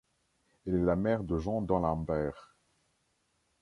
Elle est la mère de Jean d'Alembert.